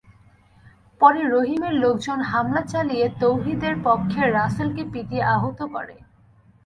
পরে রহিমের লোকজন হামলা চালিয়ে তৌহিদের পক্ষের রাসেলকে পিটিয়ে আহত করে।